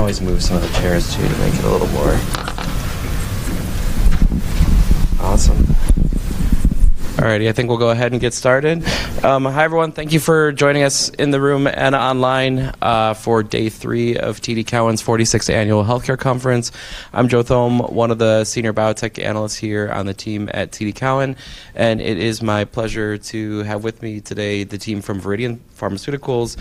You can always move some of the chairs too to make it a little more... Awesome. All righty, I think we'll go ahead and get started. Hi, everyone. Thank you for joining us in the room and online, for day three of TD Cowen's 46th Annual Healthcare Conference. I'm Joseph Thome, one of the senior biotech analysts here on the team at TD Cowen. It is my pleasure to have with me today the team from Viridian Therapeutics.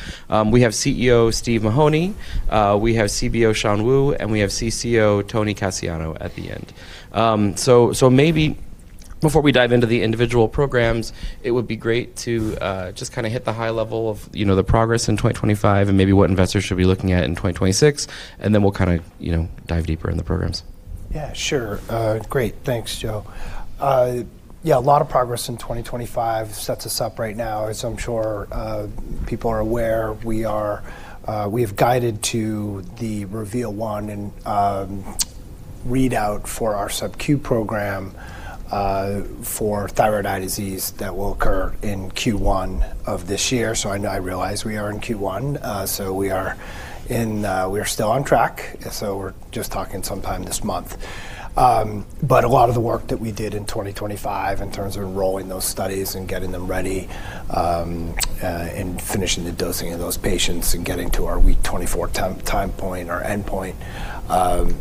We have CEO Stephen Mahoney, we have CBO Shan Wu, and we have CCO Tony Casciano at the end. Maybe before we dive into the individual programs, it would be great to just kinda hit the high level of, you know, the progress in 2025 and maybe what investors should be looking at in 2026, then we'll kinda, you know, dive deeper in the programs. Sure. Great. Thanks, Joe. A lot of progress in 2025 sets us up right now. As I'm sure people are aware, we are, we have guided to the REVEAL-1 and readout for our SubQ program for Thyroid Eye Disease that will occur in Q1 of this year. I know, I realize we are in Q1, we are still on track, we're just talking some time this month. A lot of the work that we did in 2025 in terms of enrolling those studies and getting them ready, finishing the dosing of those patients and getting to our week 24 time point, our endpoint,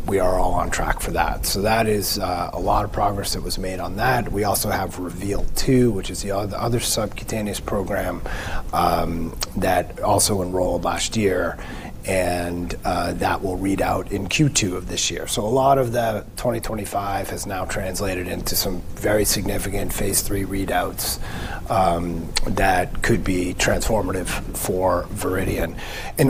we are all on track for that. That is a lot of progress that was made on that. We also have REVEAL-2, which is the other subcutaneous program that also enrolled last year and that will read out in Q2 of this year. A lot of that 2025 has now translated into some very significant phase III readouts that could be transformative for Viridian.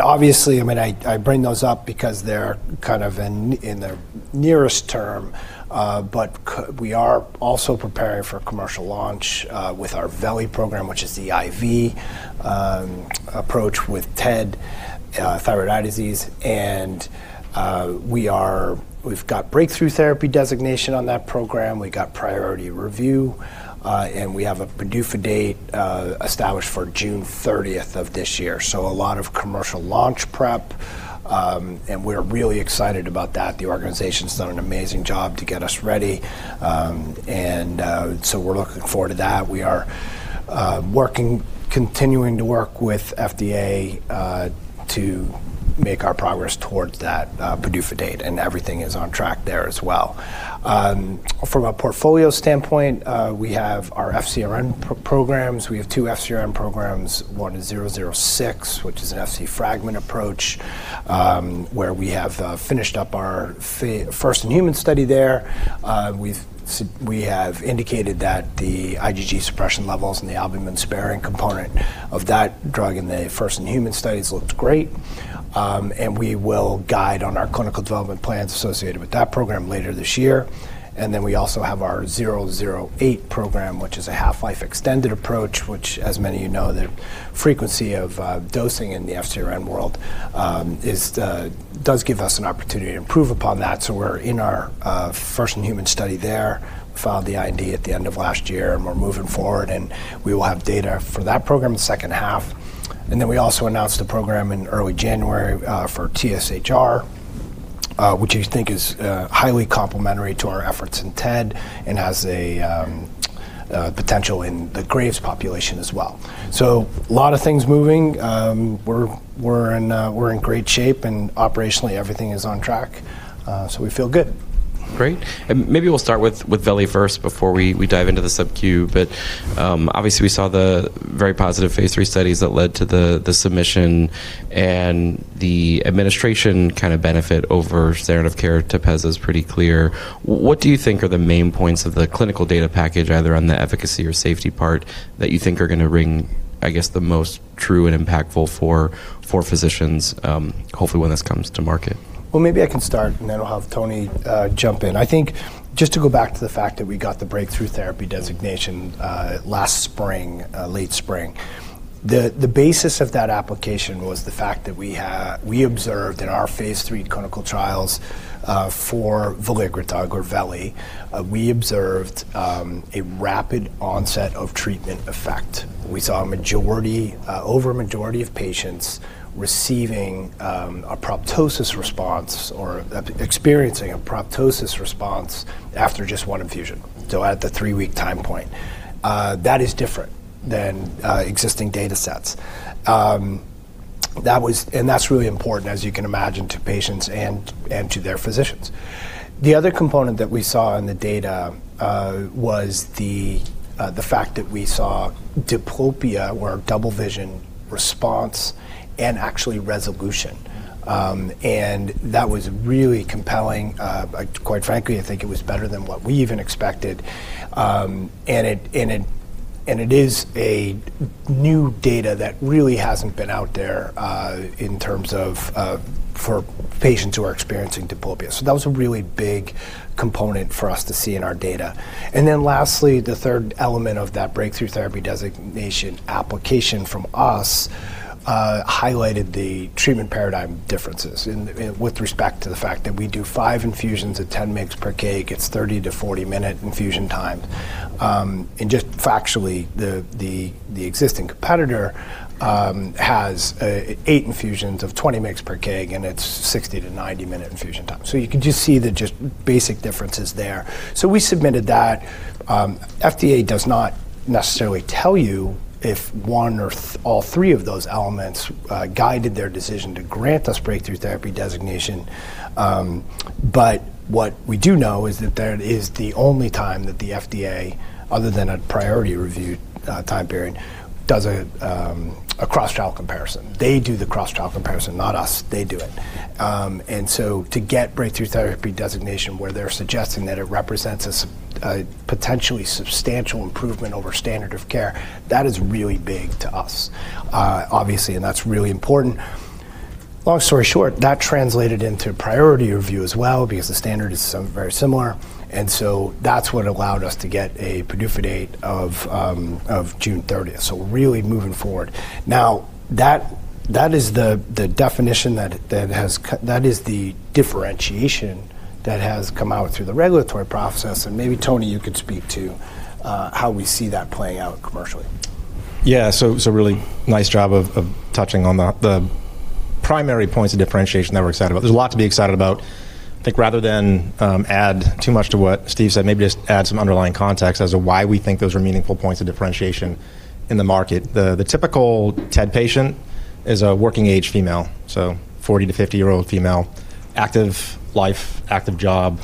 Obviously, I mean, I bring those up because they're kind of in the nearest term, but we are also preparing for a commercial launch with our veli program, which is the IV approach with TED, Thyroid Eye Disease, and we've got Breakthrough Therapy designation on that program. We got priority review and we have a PDUFA date established for June 30th of this year. A lot of commercial launch prep, and we're really excited about that. The organization's done an amazing job to get us ready. We're looking forward to that. We are working, continuing to work with FDA to make our progress towards that PDUFA date. Everything is on track there as well. From a portfolio standpoint, we have our FcRn programs. We have two FcRn programs. One is VRDN-006, which is an Fc fragment approach, where we have finished up our first human study there. We've indicated that the IgG suppression levels and the albumin-sparing component of that drug in the first in human studies looked great. We will guide on our clinical development plans associated with that program later this year. We also have our VRDN-008 program, which is a half-life extended approach, which as many of you know, the frequency of dosing in the FcRn world does give us an opportunity to improve upon that. We're in our first in human study there. Filed the IND at the end of last year, and we're moving forward, and we will have data for that program in the second half. We also announced a program in early January for TSHR, which I think is highly complementary to our efforts in TED and has a potential in the Graves' population as well. Lot of things moving. We're, we're in great shape, and operationally, everything is on track. We feel good. Great. Maybe we'll start with veli first before we dive into the SubQ. Obviously we saw the very positive phase III studies that led to the submission, and the administration kinda benefit over standard of care. Tepezza's pretty clear. What do you think are the main points of the clinical data package, either on the efficacy or safety part, that you think are gonna ring, I guess, the most true and impactful for physicians, hopefully when this comes to market? Well, maybe I can start, and then I'll have Tony, jump in. I think just to go back to the fact that we got the Breakthrough Therapy designation, last spring, late spring. The basis of that application was the fact that we observed in our phase III clinical trials, for veligrotug or veli, we observed, a rapid onset of treatment effect. We saw over a majority of patients receiving, experiencing a poptosis response after just one infusion, so at the three-week time point. That is different than, existing datasets. That's really important, as you can imagine, to patients and to their physicians. The other component that we saw in the data was the fact that we saw diplopia or double vision response and actually resolution. That was really compelling. Quite frankly, I think it was better than what we even expected. It is a new data that really hasn't been out there in terms of for patients who are experiencing diplopia. That was a really big component for us to see in our data. Lastly, the third element of that Breakthrough Therapy designation application from us highlighted the treatment paradigm differences with respect to the fact that we do five infusions at 10 mg/kg. It's 30 to 40 minute infusion time. Just factually, the existing competitor has eight infusions of 20 mg/kg, and it's 60-90 minute infusion time. You can just see the just basic differences there. We submitted that. FDA does not necessarily tell you if one or all three of those elements guided their decision to grant us Breakthrough Therapy designation. What we do know is that that is the only time that the FDA, other than a Priority Review time period, does a cross-trial comparison. They do the cross-trial comparison, not us. They do it. To get Breakthrough Therapy designation where they're suggesting that it represents a potentially substantial improvement over standard of care, that is really big to us, obviously, and that's really important. Long story short, that translated into priority review as well because the standard is very similar. That's what allowed us to get a PDUFA date of June 13th. Really moving forward. That is the definition that is the differentiation that has come out through the regulatory process. Maybe Tony, you could speak to how we see that playing out commercially. Really nice job of touching on the primary points of differentiation that we're excited about. There's a lot to be excited about. I think rather than add too much to what Steve said, maybe just add some underlying context as to why we think those are meaningful points of differentiation in the market. The typical TED patient is a working-age female, 40-50-year-old female, active life, active job,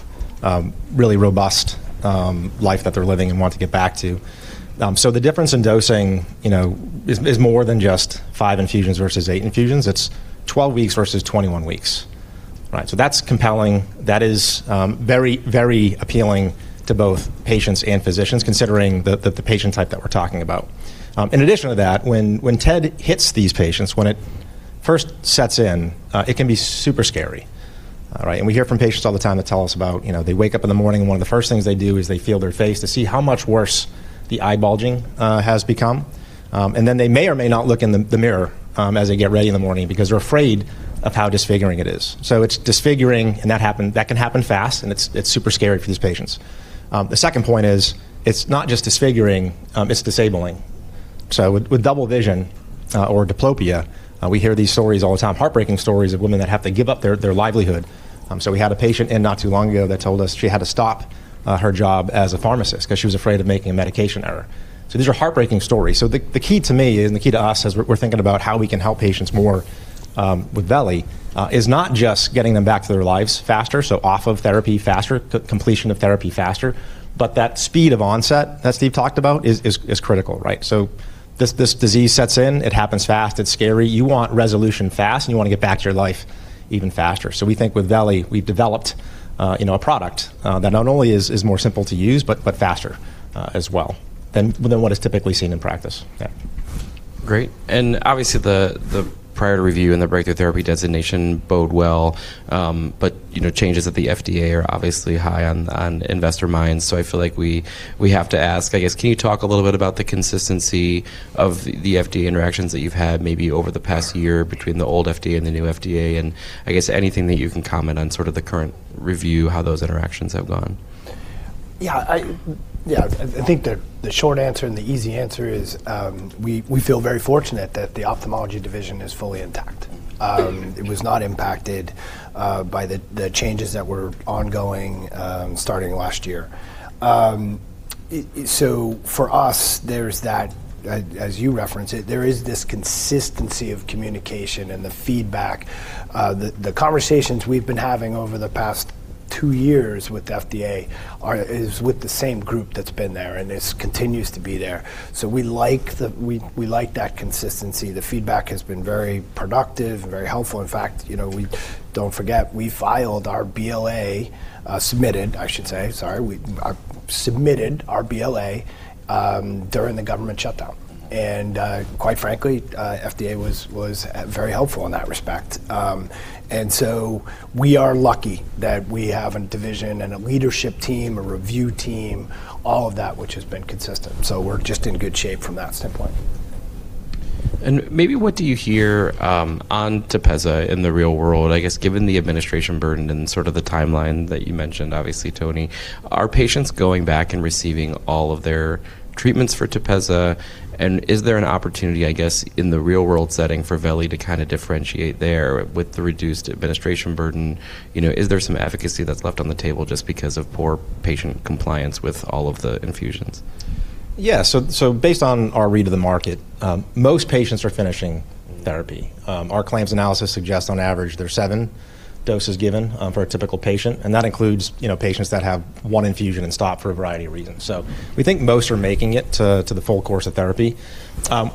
really robust life that they're living and want to get back to. The difference in dosing, you know, is more than just five infusions versus eight infusions. It's 12 weeks versus 21 weeks. Right? That's compelling. That is very appealing to both patients and physicians, considering the patient type that we're talking about. In addition to that, when TED hits these patients, when it first sets in, it can be super scary. All right? We hear from patients all the time that tell us about, you know, they wake up in the morning, and one of the first things they do is they feel their face to see how much worse the eye bulging has become. Then they may or may not look in the mirror as they get ready in the morning because they're afraid of how disfiguring it is. It's disfiguring, and that can happen fast, and it's super scary for these patients. The second point is it's not just disfiguring, it's disabling. With double vision or diplopia, we hear these stories all the time, heartbreaking stories of women that have to give up their livelihood. We had a patient in not too long ago that told us she had to stop her job as a pharmacist 'cause she was afraid of making a medication error. These are heartbreaking stories. The key to me and the key to us as we're thinking about how we can help patients more with veli is not just getting them back to their lives faster, off of therapy faster, completion of therapy faster, but that speed of onset that Steve talked about is critical, right? This disease sets in, it happens fast, it's scary. You want resolution fast, and you wanna get back to your life even faster. We think with veli, we've developed, you know, a product that not only is more simple to use, but faster, as well than what is typically seen in practice. Yeah. Great. Obviously, the priority review and the Breakthrough Therapy designation bode well. You know, changes at the FDA are obviously high on investor minds. I feel like we have to ask, I guess, can you talk a little bit about the consistency of the FDA interactions that you've had maybe over the past year between the old FDA and the new FDA, and I guess anything that you can comment on sort of the current review, how those interactions have gone? I think the short answer and the easy answer is, we feel very fortunate that the ophthalmology division is fully intact. It was not impacted by the changes that were ongoing starting last year. So for us, there's that, as you referenced it, there is this consistency of communication and the feedback. The conversations we've been having over the past two years with the FDA is with the same group that's been there and continues to be there. We like that consistency. The feedback has been very productive and very helpful. In fact, you know, Don't forget, we filed our BLA, submitted, I should say, sorry, we submitted our BLA during the government shutdown. Quite frankly, FDA was very helpful in that respect. We are lucky that we have a division and a leadership team, a review team, all of that which has been consistent. We're just in good shape from that standpoint. Maybe what do you hear, on Tepezza in the real world? I guess given the administration burden and sort of the timeline that you mentioned, obviously, Tony, are patients going back and receiving all of their treatments for Tepezza? Is there an opportunity, I guess, in the real-world setting for veli to kinda differentiate there with the reduced administration burden? You know, is there some efficacy that's left on the table just because of poor patient compliance with all of the infusions? Based on our read of the market, most patients are finishing therapy. Our claims analysis suggests on average there's seven doses given for a typical patient, and that includes, you know, patients that have one infusion and stop for a variety of reasons. We think most are making it to the full course of therapy.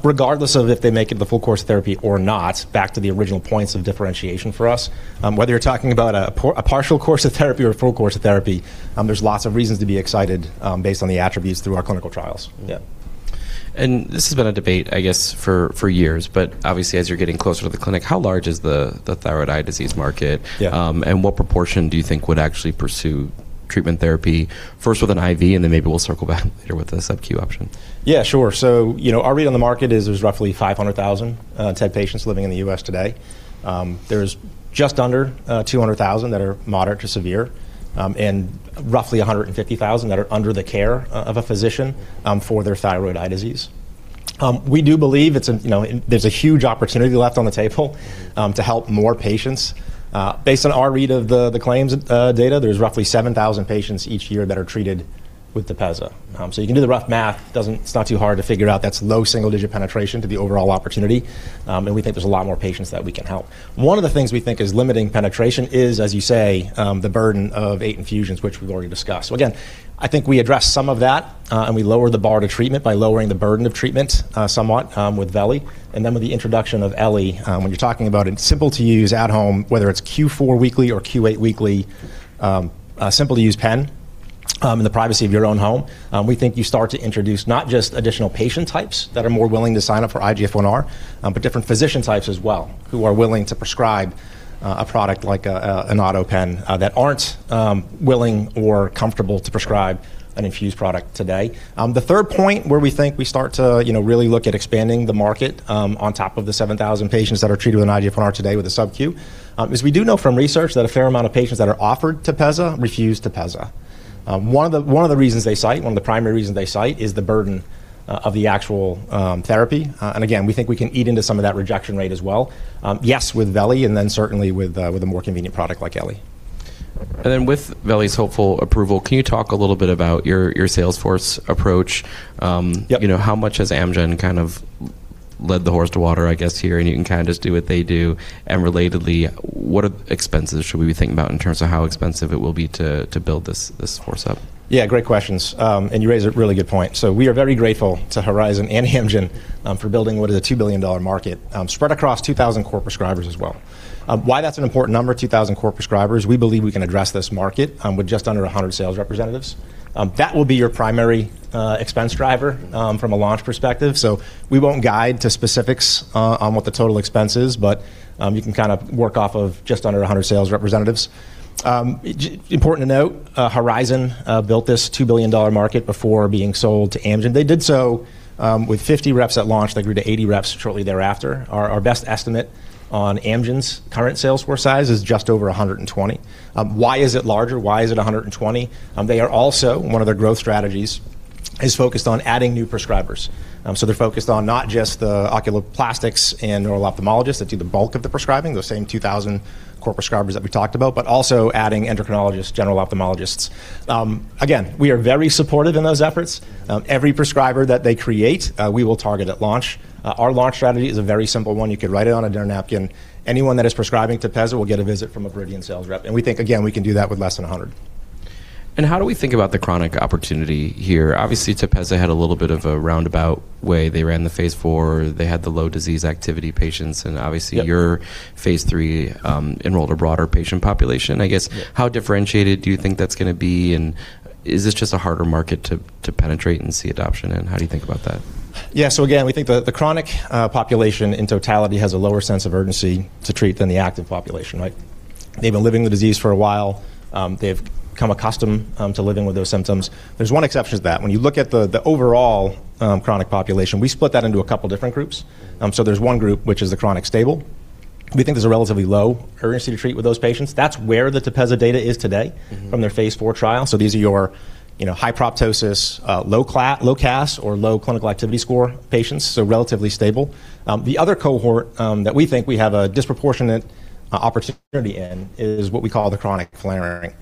Regardless of if they make it the full course of therapy or not, back to the original points of differentiation for us, whether you're talking about a partial course of therapy or a full course of therapy, there's lots of reasons to be excited based on the attributes through our clinical trials. Yeah. This has been a debate, I guess, for years, but obviously as you're getting closer to the clinic, how large is the Thyroid Eye Disease market? Yeah. What proportion do you think would actually pursue treatment therapy first with an IV, and then maybe we'll circle back later with the SubQ option? Yeah, sure. You know, our read on the market is there's roughly 500,000 TED patients living in the U.S. today. There's just under 200,000 that are moderate to severe, and roughly 150,000 that are under the care of a physician for their Thyroid Eye Disease. We do believe it's, you know, there's a huge opportunity left on the table to help more patients. Based on our read of the claims data, there's roughly 7,000 patients each year that are treated with Tepezza. You can do the rough math. It's not too hard to figure out that's low single-digit penetration to the overall opportunity. And we think there's a lot more patients that we can help. One of the things we think is limiting penetration is, as you say, the burden of eight infusions, which we've already discussed. Again, I think we addressed some of that, and we lowered the bar to treatment by lowering the burden of treatment somewhat, with veli. With the introduction of elegrobart, when you're talking about it's simple to use at home, whether it's Q4-weekly or Q8-weekly, a simple to use pen, in the privacy of your own home, we think you start to introduce not just additional patient types that are more willing to sign up for IGF-1, but different physician types as well, who are willing to prescribe a product like an Autopen, that aren't willing or comfortable to prescribe an infused product today. The third point where we think we start to, you know, really look at expanding the market, on top of the 7,000 patients that are treated with an IGF-1 today with a SubQ, is we do know from research that a fair amount of patients that are offered Tepezza refuse Tepezza. One of the reasons they cite, one of the primary reasons they cite is the burden of the actual therapy. Again, we think we can eat into some of that rejection rate as well, yes, with veli, and then certainly with a more convenient product like elegrobart. Then with veli's hopeful approval, can you talk a little bit about your sales force approach? Yep. You know, how much has Amgen kind of led the horse to water, I guess, here, and you can kinda just do what they do? Relatedly, what expenses should we be thinking about in terms of how expensive it will be to build this horse up? Yeah, great questions. You raise a really good point. We are very grateful to Horizon and Amgen for building what is a $2 billion market spread across 2,000 core prescribers as well. Why that's an important number, 2,000 core prescribers, we believe we can address this market with just under 100 sales representatives. That will be your primary expense driver from a launch perspective. We won't guide to specifics on what the total expense is, but you can kind of work off of just under 100 sales representatives. Important to note, Horizon built this $2 billion market before being sold to Amgen. They did so with 50 reps at launch. They grew to 80 reps shortly thereafter. Our best estimate on Amgen's current sales force size is just over 120. Why is it larger? Why is it 120? They are also, one of their growth strategies is focused on adding new prescribers. They're focused on not just the oculoplastics and neuro-ophthalmologists that do the bulk of the prescribing, those same 2,000 core prescribers that we talked about, but also adding endocrinologists, general ophthalmologists. Again, we are very supportive in those efforts. Every prescriber that they create, we will target at launch. Our launch strategy is a very simple one. You could write it on a dinner napkin. Anyone that is prescribing Tepezza will get a visit from a Viridian sales rep. We think, again, we can do that with less than 100. How do we think about the chronic opportunity here? Obviously, Tepezza had a little bit of a roundabout way. They ran the phase IV. They had the low disease activity patients, and obviously- Yep. your phase III, enrolled a broader patient population. I guess. Yeah. How differentiated do you think that's gonna be, and is this just a harder market to penetrate and see adoption in? How do you think about that? Yeah. Again, we think the chronic population in totality has a lower sense of urgency to treat than the active population, right? They've been living the disease for a while. They've become accustomed to living with those symptoms. There's one exception to that. When you look at the overall chronic population, we split that into a couple different groups. There's one group, which is the chronic stable. We think there's a relatively low urgency to treat with those patients. That's where the Tepezza data is today. Mm-hmm. from their phase IV trial. These are your, you know, high proptosis, low CAS or low clinical activity score patients, relatively stable. The other cohort that we think we have a disproportionate opportunity in is what we call the chronic flaring.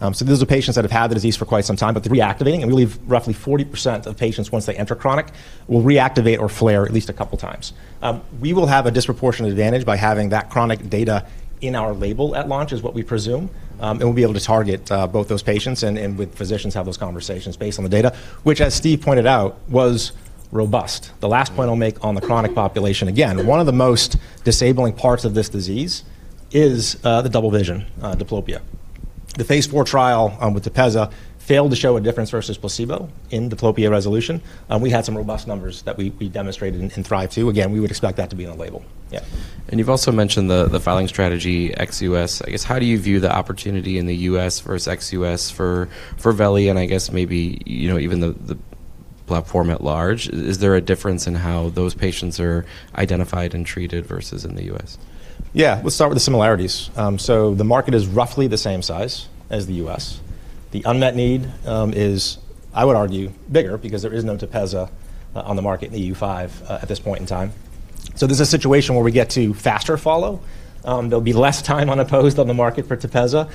These are patients that have had the disease for quite some time, but they're reactivating. We believe roughly 40% of patients, once they enter chronic, will reactivate or flare at least a couple times. We will have a disproportionate advantage by having that chronic data in our label at launch, is what we presume. We'll be able to target both those patients and with physicians, have those conversations based on the data, which, as Steve pointed out, was robust. The last point I'll make on the chronic population, again, one of the most disabling parts of this disease is, the double vision, diplopia. The phase IV trial, with Tepezza failed to show a difference versus placebo in diplopia resolution. We had some robust numbers that we demonstrated in THRIVE-2. Again, we would expect that to be in the label. Yeah. You've also mentioned the filing strategy ex U.S. I guess, how do you view the opportunity in the U.S. Versus ex U.S. For veli and I guess maybe, you know, even the platform at large? Is there a difference in how those patients are identified and treated versus in the U.S.? Yeah. Let's start with the similarities. The market is roughly the same size as the U.S. The unmet need is, I would argue, bigger because there is no Tepezza on the market in the EU5 at this point in time. There's a situation where we get to faster follow. There'll be less time unopposed on the market for Tepezza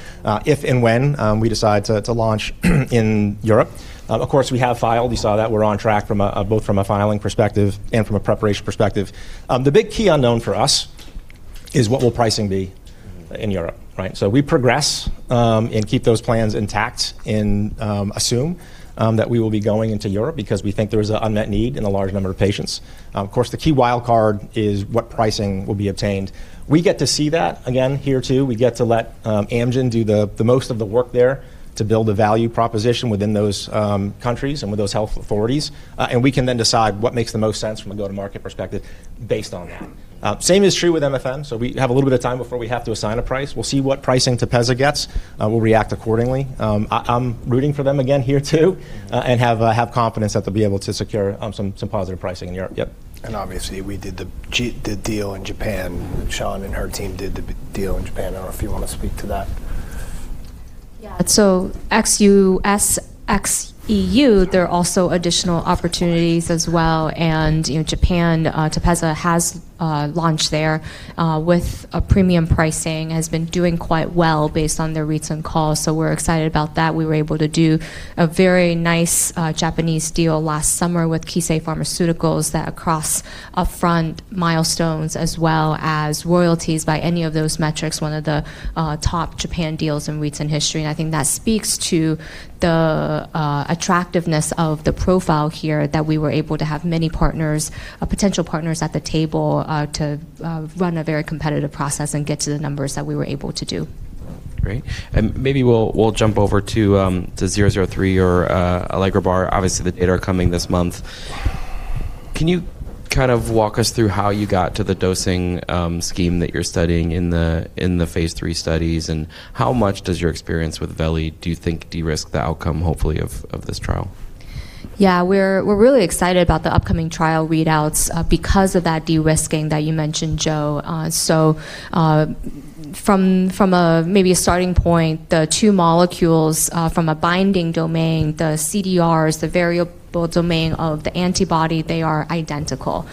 if and when we decide to launch in Europe. Of course, we have filed. You saw that we're on track from a both from a filing perspective and from a preparation perspective. The big key unknown for us is what will pricing be in Europe, right? We progress and keep those plans intact and assume that we will be going into Europe because we think there is a unmet need in a large number of patients. Of course, the key wild card is what pricing will be obtained. We get to see that again here too. We get to let Amgen do the most of the work there to build a value proposition within those countries and with those health authorities. We can then decide what makes the most sense from a go-to-market perspective based on that. Same is true with MFM. We have a little bit of time before we have to assign a price. We'll see what pricing Tepezza gets. We'll react accordingly. I'm rooting for them again here too, and have confidence that they'll be able to secure some positive pricing in Europe. Yep. Obviously, we did the deal in Japan. Shan and her team did the deal in Japan. I don't know if you wanna speak to that. XUS, XEU, there are also additional opportunities as well, and, you know, Japan, Tepezza has launched there with a premium pricing, has been doing quite well based on their reads and calls. We're excited about that. We were able to do a very nice Japanese deal last summer with Kissei Pharmaceutical that across upfront milestones as well as royalties by any of those metrics, one of the top Japan deals in reads in history. I think that speaks to the attractiveness of the profile here that we were able to have many partners, potential partners at the table, to run a very competitive process and get to the numbers that we were able to do. Great. Maybe we'll jump over to VRDN-003 or elegrobart. Obviously, the data are coming this month. Can you kind of walk us through how you got to the dosing scheme that you're studying in the phase III studies? How much does your experience with veli do you think de-risk the outcome, hopefully, of this trial? Yeah. We're really excited about the upcoming trial readouts, because of that de-risking that you mentioned, Joe. From a maybe a starting point, the two molecules, from a binding domain, the CDRs, the variable domain of the antibody, they are identical.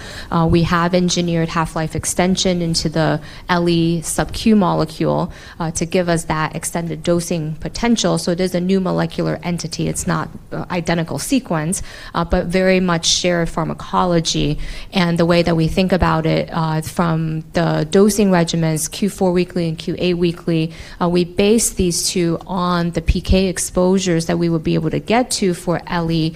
We have engineered half-life extension into the LE SubQ molecule, to give us that extended dosing potential. It is a new molecular entity. It's not identical sequence, but very much shared pharmacology. The way that we think about it, from the dosing regimens, Q4-weekly and Q8-weekly, we base these two on the PK exposures that we would be able to get to for LE.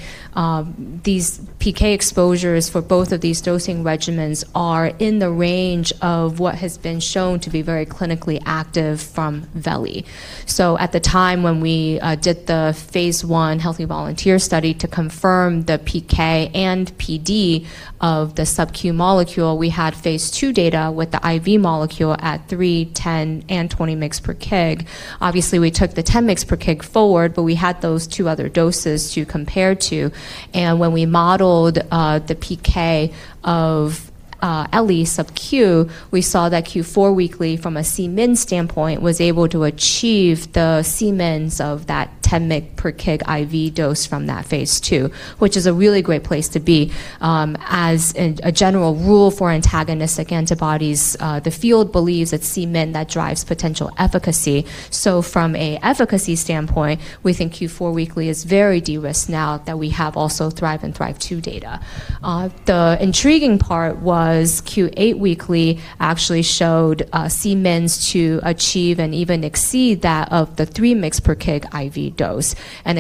These PK exposures for both of these dosing regimens are in the range of what has been shown to be very clinically active from veli. At the time when we did the phase I healthy volunteer study to confirm the PK and PD of the SubQ molecule, we had phase II data with the IV molecule at 3 mg/kg, 10 mg/kg, and 20 mg/kg. Obviously, we took the 10 mg/kg forward, but we had those two other doses to compare to. When we modeled the PK of LE SubQ, we saw that Q4-weekly from a Cmin standpoint was able to achieve the Cmins of that 10 mg/kg IV dose from that phase II, which is a really great place to be. As a general rule for antagonistic antibodies, the field believes it's Cmin that drives potential efficacy. From a efficacy standpoint, we think Q4-weekly is very de-risked now that we have also THRIVE and THRIVE-2 data. The intriguing part was Q8-weekly actually showed Cmins to achieve and even exceed that of the 3 mg/kg IV dose.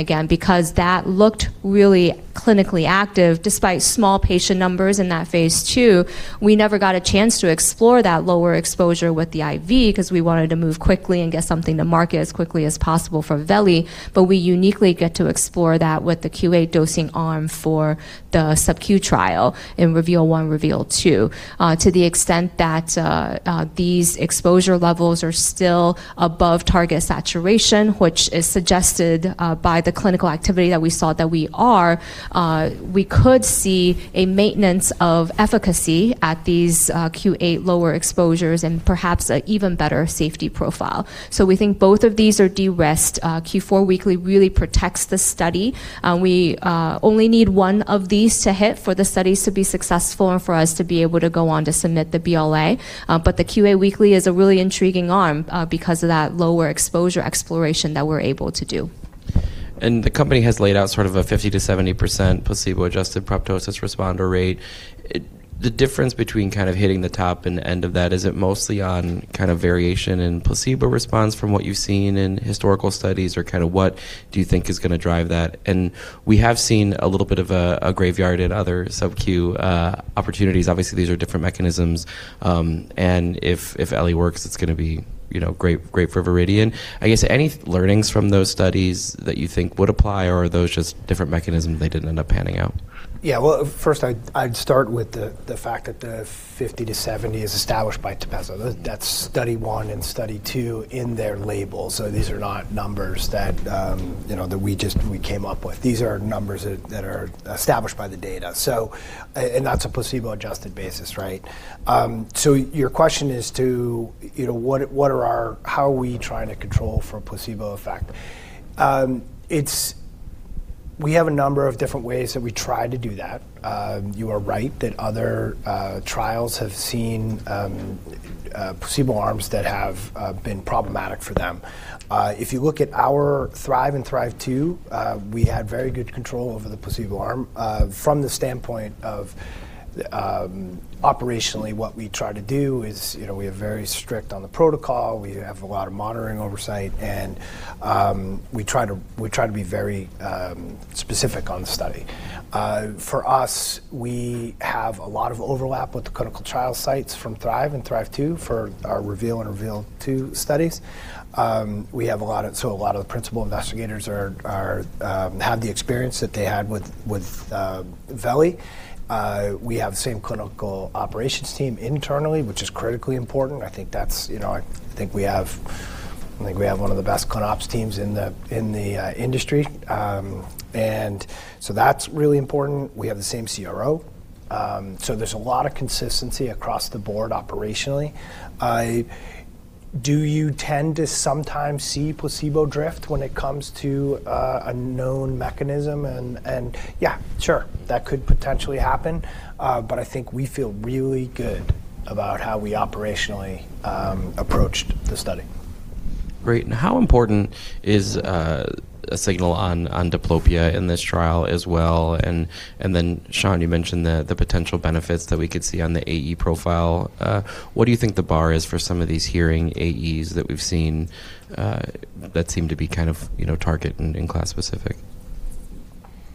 Again, because that looked really clinically active despite small patient numbers in that phase II, we never got a chance to explore that lower exposure with the IV 'cause we wanted to move quickly and get something to market as quickly as possible for veli, but we uniquely get to explore that with the Q8 dosing arm for the SubQ trial in REVEAL-1, REVEAL-2. To the extent that these exposure levels are still above target saturation, which is suggested by the clinical activity that we saw that we are, we could see a maintenance of efficacy at these Q8 lower exposures and perhaps an even better safety profile. We think both of these are de-risked. Q4-weekly really protects the study. We only need one of these to hit for the studies to be successful and for us to be able to go on to submit the BLA. The Q8-weekly is a really intriguing arm because of that lower exposure exploration that we're able to do. The company has laid out sort of a 50%-70% placebo-adjusted proptosis responder rate. The difference between kind of hitting the top and the end of that, is it mostly on kind of variation in placebo response from what you've seen in historical studies? Kinda what do you think is gonna drive that? We have seen a little bit of a graveyard at other SubQ opportunities. Obviously, these are different mechanisms. If LE works, it's gonna be, you know, great for Viridian. I guess any learnings from those studies that you think would apply, or are those just different mechanisms that didn't end up panning out? Well, first I'd start with the fact that the 50 to 70 is established by Tepezza. That's study 1 and study 2 in their label, these are not numbers that, you know, that we came up with. These are numbers that are established by the data. And that's a placebo-adjusted basis, right? Your question is to, you know, how are we trying to control for placebo effect? We have a number of different ways that we try to do that. You are right that other trials have seen placebo arms that have been problematic for them. If you look at our THRIVE and THRIVE-2, we had very good control over the placebo arm. From the standpoint of operationally, what we try to do is, we are very strict on the protocol. We have a lot of monitoring oversight, we try to be very specific on the study. For us, we have a lot of overlap with the clinical trial sites from THRIVE and THRIVE-2 for our REVEAL-1 and REVEAL-2 studies. We have a lot of the principal investigators have the experience that they had with veli. We have the same clinical operations team internally, which is critically important. I think that's I think we have one of the best clin ops teams in the industry. That's really important. We have the same CRO. There's a lot of consistency across the board operationally. Do you tend to sometimes see placebo drift when it comes to a known mechanism and yeah, sure? That could potentially happen. I think we feel really good about how we operationally approached the study. Great. How important is a signal on diplopia in this trial as well? Then, Shan, you mentioned the potential benefits that we could see on the AE profile. What do you think the bar is for some of these hearing AEs that we've seen, that seem to be kind of, you know, target and in class specific?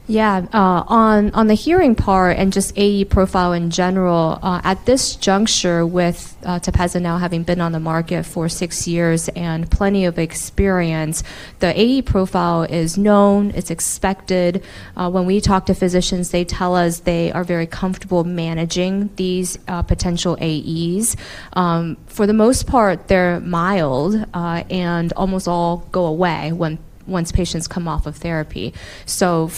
On the hearing part and just AE profile in general, at this juncture with Tepezza now having been on the market for six years and plenty of experience, the AE profile is known, it's expected. When we talk to physicians, they tell us they are very comfortable managing these potential AEs. For the most part, they're mild, and almost all go away once patients come off of therapy.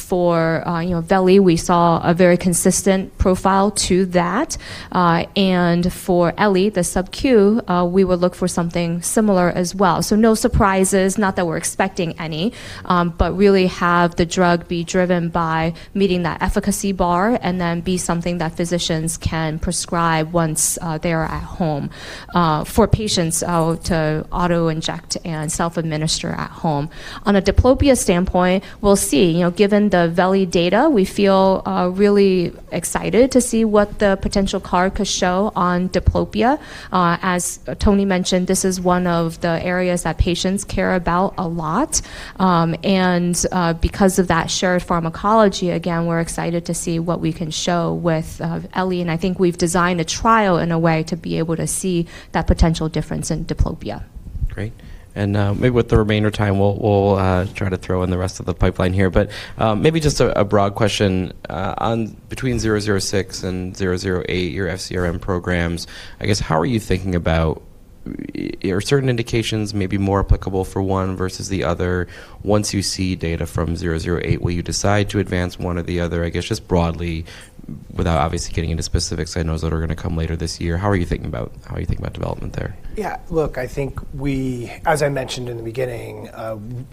For, you know, veli, we saw a very consistent profile to that. And for elegrobart, the SubQ, we would look for something similar as well. No surprises. Not that we're expecting any, but really have the drug be driven by meeting that efficacy bar and then be something that physicians can prescribe once they are at home for patients to auto-inject and self-administer at home. On a diplopia standpoint, we'll see. You know, given the veli data, we feel really excited to see what the potential CAS could show on diplopia. As Tony mentioned, this is one of the areas that patients care about a lot. Because of that shared pharmacology, again, we're excited to see what we can show with elegrobart, and I think we've designed a trial in a way to be able to see that potential difference in diplopia. Great. Maybe with the remainder time, we'll try to throw in the rest of the pipeline here. Maybe just a broad question on between VRDN-006 and VRDN-008, your FcRn programs, I guess, how are you thinking about? Are certain indications may be more applicable for one versus the other? Once you see data from VRDN-008, will you decide to advance one or the other? I guess just broadly, without obviously getting into specifics, I know that are gonna come later this year, how are you thinking about development there? Yeah. Look, as I mentioned in the beginning,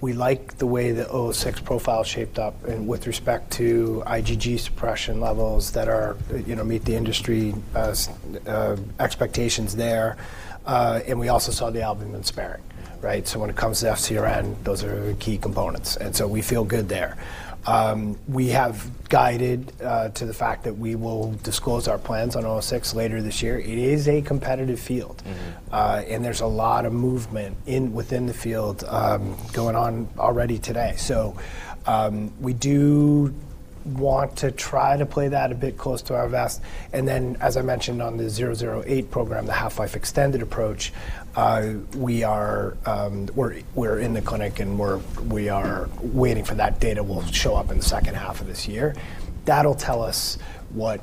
we like the way the VRDN-006 profile is shaped up and with respect to IgG suppression levels that are, you know, meet the industry expectations there. We also saw the albumin sparing, right? When it comes to FcRn, those are key components. We feel good there. We have guided to the fact that we will disclose our plans on VRDN-006 later this year. It is a competitive field. Mm-hmm. There's a lot of movement within the field going on already today. We do want to try to play that a bit close to our vest. As I mentioned on the VRDN-008 program, the half-life extended approach, we are in the clinic, and we are waiting for that data will show up in the second half of this year. That'll tell us what,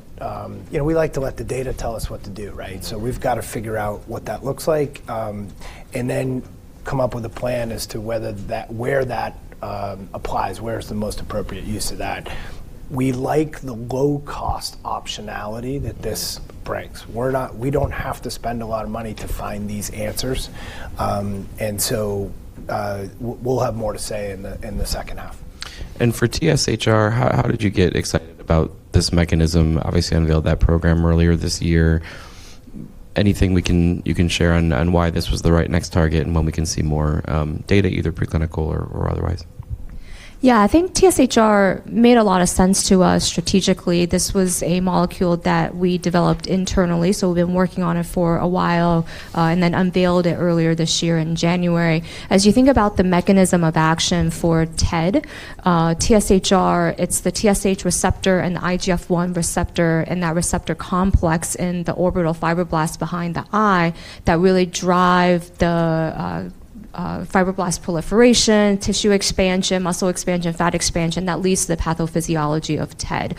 you know, we like to let the data tell us what to do, right? We've got to figure out what that looks like, and then come up with a plan as to whether that where that applies, where's the most appropriate use of that. We like the low cost optionality that this brings. We don't have to spend a lot of money to find these answers. We'll have more to say in the, in the second half. For TSHR, how did you get excited about this mechanism? Obviously, unveiled that program earlier this year. Anything you can share on why this was the right next target and when we can see more data, either preclinical or otherwise? Yeah. I think TSHR made a lot of sense to us strategically. This was a molecule that we developed internally, so we've been working on it for a while, and then unveiled it earlier this year in January. As you think about the mechanism of action for TED, TSHR, it's the TSH receptor and the IGF-1 receptor, and that receptor complex in the orbital fibroblasts behind the eye that really drive the fibroblast proliferation, tissue expansion, muscle expansion, fat expansion that leads to the pathophysiology of TED.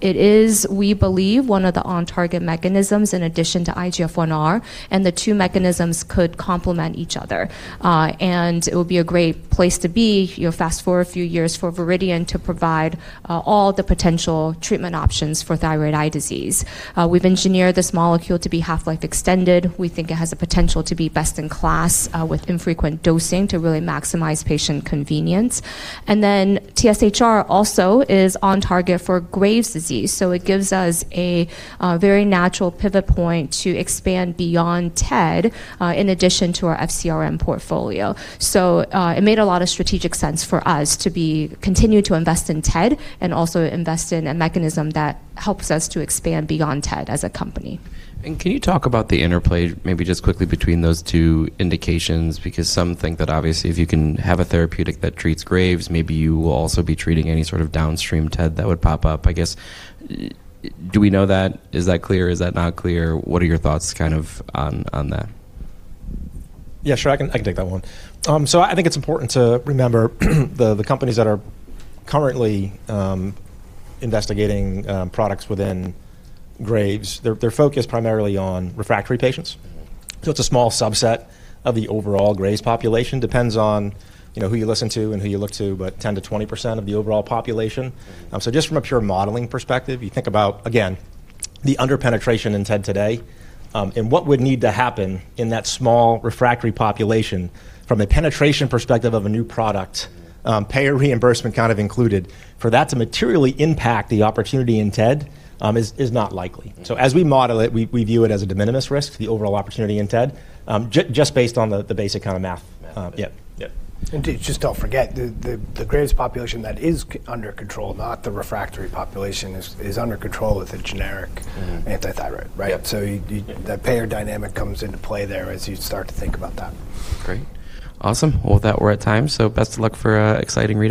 It is, we believe, one of the on target mechanisms in addition to IGF-1R, and the two mechanisms could complement each other. It will be a great place to be, you know, fast-forward a few years for Viridian to provide all the potential treatment options for thyroid eye disease. We've engineered this molecule to be half-life extended. We think it has the potential to be best in class, with infrequent dosing to really maximize patient convenience. TSHR also is on target for Graves' disease. It gives us a very natural pivot point to expand beyond TED, in addition to our FcRn portfolio. It made a lot of strategic sense for us to be continue to invest in TED and also invest in a mechanism that helps us to expand beyond TED as a company. Can you talk about the interplay, maybe just quickly between those two indications, because some think that obviously, if you can have a therapeutic that treats Graves, maybe you will also be treating any sort of downstream TED that would pop up. I guess, do we know that? Is that clear? Is that not clear? What are your thoughts kind of on that? Yeah, sure. I can take that one. I think it's important to remember the companies that are currently investigating products within Graves' disease. They're focused primarily on refractory patients. Mm-hmm. It's a small subset of the overall Graves population. Depends on, you know, who you listen to and who you look to, but 10%-20% of the overall population. Just from a pure modeling perspective, you think about, again, the under-penetration in TED today, and what would need to happen in that small refractory population from a penetration perspective of a new product, payer reimbursement kind of included. For that to materially impact the opportunity in TED, is not likely. Mm-hmm. as we model it, we view it as a de minimis risk, the overall opportunity in TED, just based on the basic kind of math. Math. Yeah. Yeah. Just don't forget, the Graves' population that is under control, not the refractory population is under control with a generic-. Mm-hmm. antithyroid, right? Yep. That payer dynamic comes into play there as you start to think about that. Great. Awesome. Well, with that, we're at time. Best of luck for exciting.